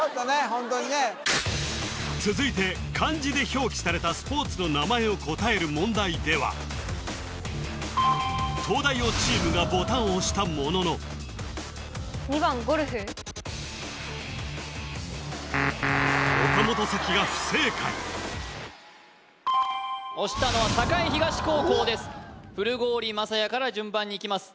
ホントにね続いて漢字で表記されたスポーツの名前を答える問題では東大王チームがボタンを押したものの２番ゴルフ岡本沙紀が不正解押したのは栄東高校です古郡将也から順番にいきます